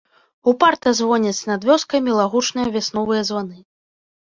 Упарта звоняць над вёскай мілагучныя вясновыя званы.